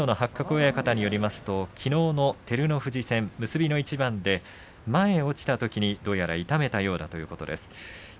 親方によりますときのうの結びの一番照ノ富士戦で前に落ちたときにどうやら痛めたようだということです。